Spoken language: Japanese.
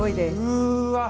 うわ！